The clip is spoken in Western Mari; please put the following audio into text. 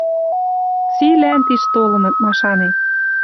Цилӓн тиш толыныт, машанет